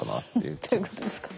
どういうことですか？